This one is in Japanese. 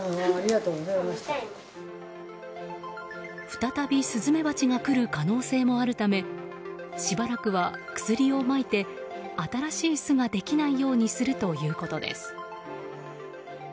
再び、スズメバチが来る可能性もあるためしばらくは薬をまいて新しい巣ができないようにするということです。